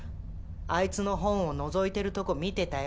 あいつの本をのぞいてるとこ見てたよ。